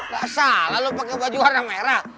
gak salah lo pakai baju warna merah